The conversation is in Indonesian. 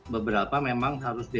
beberapa memang harus dianggap